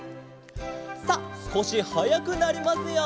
さあすこしはやくなりますよ。